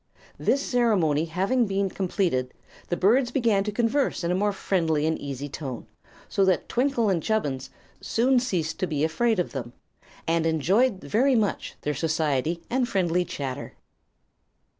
This ceremony having been completed, the birds began to converse in a more friendly and easy tone, so that Twinkle and Chubbins soon ceased to be afraid of them, and enjoyed very much their society and friendly chatter.